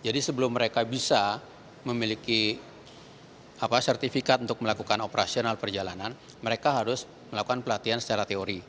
jadi sebelum mereka bisa memiliki sertifikat untuk melakukan operasional perjalanan mereka harus melakukan pelatihan secara teori